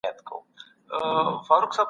صحي بیمه د کارګرانو لپاره مهمه ده.